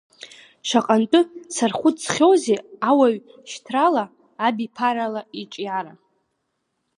Шаҟантәы сархәыцхьоузеи ауаҩ шьҭрала, абиԥарала иҿиара.